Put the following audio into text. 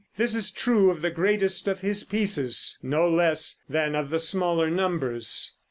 This is true of the greatest of his pieces, no less than of the smaller numbers.